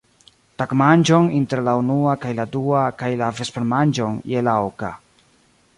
tagmanĝon inter la unua kaj la dua kaj la vespermanĝon je la oka.